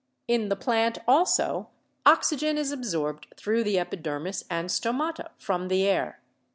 In the plant also oxygen is absorbed through the epidermis and stomata from the air.